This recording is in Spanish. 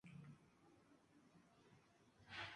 Juega de centrocampista en la Sociedad Deportiva Amorebieta.